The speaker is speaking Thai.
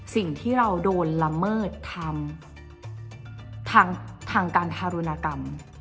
สิ่งที่เราโดนละเมิดทำทางการทารุณกรรม